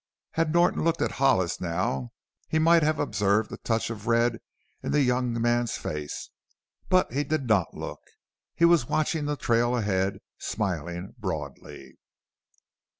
Had Norton looked at Hollis now he might have observed a touch of red in the young man's face. But he did not look; he was watching the trail ahead, smiling broadly.